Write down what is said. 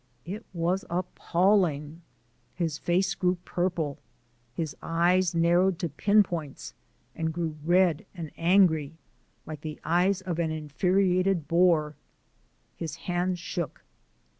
It was appalling. His face grew purple, his eyes narrowed to pin points and grew red and angry like the eyes of an infuriated boar. His hands shook.